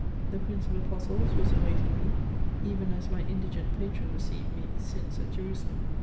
The Prince of Apostles was awaiting me, even as my indigent patron received me since at Jerusalem.